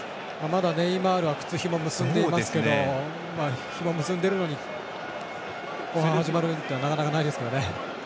まだネイマールはくつひも結んでいますがひも結んでるのに始まるのはなかなかないですけどね。